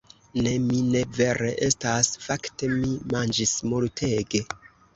Ne, mi ne vere estas... fakte mi manĝis multege